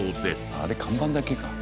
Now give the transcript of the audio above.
あれ看板だけか。